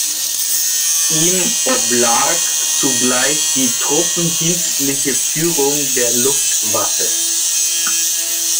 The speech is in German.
Ihm oblag zugleich die truppendienstliche Führung der Luftwaffe.